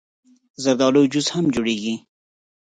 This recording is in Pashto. زردالو جوس هم جوړېږي.